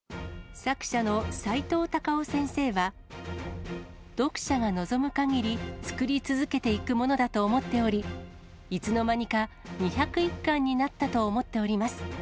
作者のさいとう・たかを先生は、読者が望むかぎり、作り続けていくものだと思っており、いつの間にか２０１巻になったと思っております。